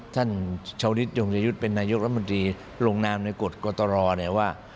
ท่านชาวฤทธยงยุทธ์เป็นนายกรัฐมนตรีลงนามในกฎกตรเนี่ยว่า